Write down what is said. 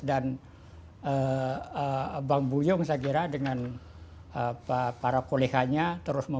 dan bang buyong saya kira dengan para koleganya terus mengusahakan